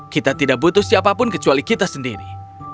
kita tidak butuh siapapun kecuali kita sendiri